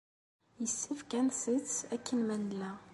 Yessefk ad nsett akken ma nella.